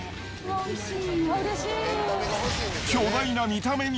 おいしい。